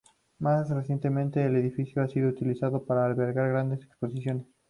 Más recientemente, el edificio ha sido utilizado para albergar grandes exposiciones.